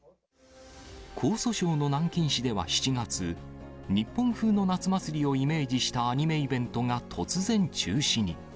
江蘇省の南京市では７月、日本風の夏祭りをイメージしたアニメイベントが突然、中止に。